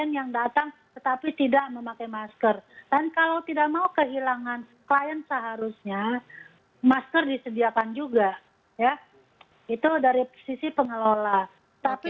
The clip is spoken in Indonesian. dan pengelola punya hak juga atau berkewajiban untuk melakukan menegur memperbaiki dan memperbaiki